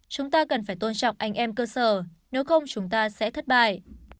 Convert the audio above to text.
chúng ta cần phải tôn trọng anh em cơ sở nếu không chúng ta sẽ thất bại